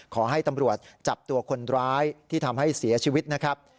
ขอให้ตำรวจจับตัวคนร้ายที่ทำให้เสียชีวิตนะครับ